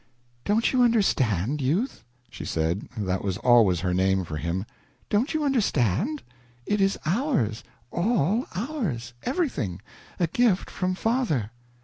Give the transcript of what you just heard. "Don't you understand, Youth?" she said that was always her name for him. "Don't you understand? It is ours, all ours everything a gift from father."